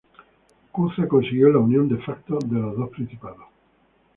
Cuza consiguió la unión "de facto" de los dos principados.